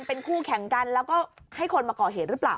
เป็นคู่แข่งกันแล้วก็ให้คนมาก่อเหตุหรือเปล่า